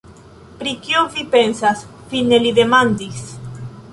Pri kio vi pensas? fine li demandis.